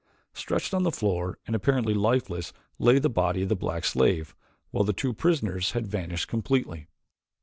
Stretched on the floor and apparently lifeless lay the body of the black slave, while the two prisoners had vanished completely.